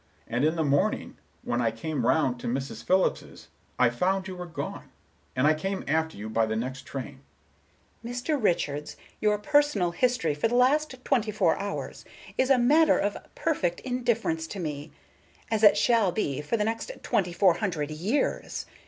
And in the morning, when I came round to Mrs. Philips's, I found you were gone, and I came after you by the next train." Miss Galbraith: "Mr. Richards, your personal history for the last twenty four hours is a matter of perfect indifference to me, as it shall be for the next twenty four hundred years.